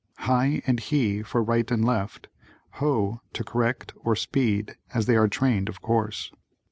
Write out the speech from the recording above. "Hi" and "He" for right and left, "Ho" to correct, or speed, as they are trained, of course.